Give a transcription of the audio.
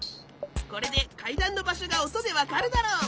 これでかいだんのばしょがおとでわかるだろう！